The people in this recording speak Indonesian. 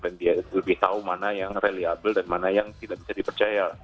dan dia lebih tahu mana yang reliable dan mana yang tidak bisa dipercaya